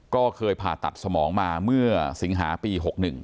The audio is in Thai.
ก็เคยผ่าตัดสมองมาเมื่อสิงหาปี๖๑